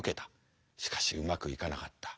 しかしうまくいかなかった。